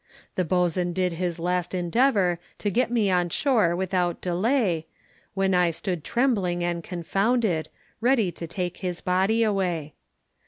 The boatswain did his best endeavour To get me on shore without delay, When I stood trembling and confounded, Ready to take his body away.